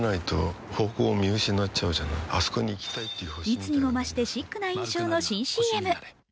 いつにも増してシックな印象の新ＣＭ。